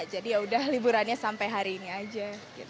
jadi yaudah liburannya sampai hari ini saja